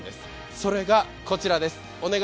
それがこちらです。